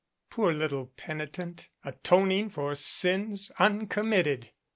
Poor little penitent, atoning for sins uncommitted!